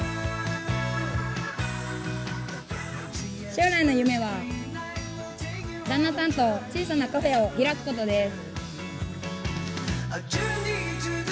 将来の夢は旦那さんと小さなカフェを開くことです。